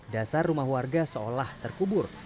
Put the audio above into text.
dasar rumah warga seolah terkubur